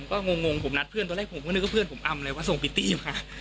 ถ้างงผมนัดเพื่อนตอนแรกผมเพื่อนก็เพื่อนผมอำเลยว่าส่งพิธิมา